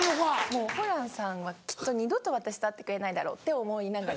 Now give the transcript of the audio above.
もうホランさんはきっと二度と私と会ってくれないだろうって思いながら。